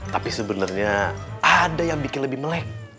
tapi sebenarnya ada yang bikin lebih melek